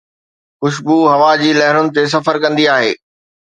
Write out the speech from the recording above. خوشبو هوا جي لهرن تي سفر ڪندي آهي